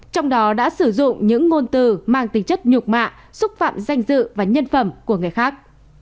trong đó đã sử dụng những ngôn từ mang tính chất nhục mạ xúc phạm danh dự và nhân phẩm của người khác